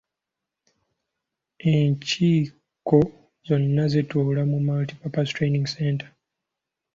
Enkiiko zonna zituula ku multi-purpose training center.